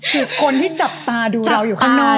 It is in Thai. คือคนที่จับตาดูเราอยู่ข้างนอก